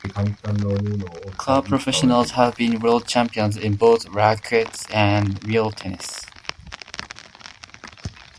Club professionals have been world champions in both racquets and real tennis.